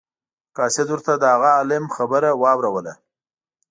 قاصد ورته د هغه عالم خبره واوروله.